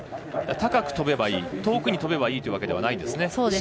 高くとべばいい遠くへとべばいいというわけじゃないんですね。